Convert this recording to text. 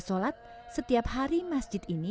sholat setiap hari masjid ini